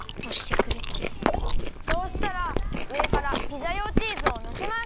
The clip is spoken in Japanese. そうしたらうえからピザ用チーズをのせます。